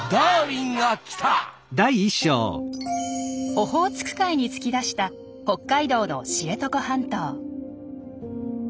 オホーツク海に突き出した北海道の知床半島。